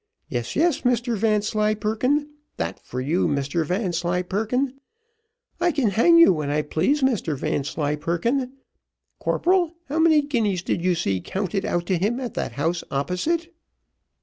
Yes, yes, Mr Vanslyperken that for you, Mr Vanslyperken I can hang you when I please, Mr Vanslyperken. Corporal, how many guineas did you see counted out to him at the house opposite?"